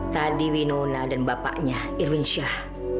tadi winona dan bapaknya irwin syah